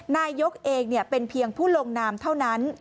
นายกเองเป็นเพียงผู้ลงนามเท่านั้น